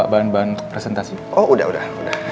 bahan bahan presentasi oh udah udah